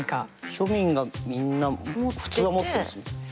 庶民がみんな普通は持ってます？